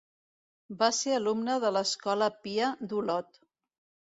Va ser alumne de l'Escola Pia d'Olot.